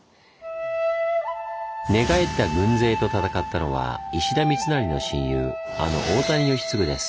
寝返った軍勢と戦ったのは石田三成の親友あの大谷吉継です。